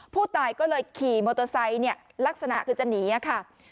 ผู้ตายก็เลยขี่มอเตอร์ไซค์เนี่ยลักษณะคือจะหนีค่ะ